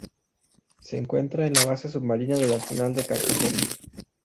Se encuentra en la base submarina del Arsenal de Cartagena.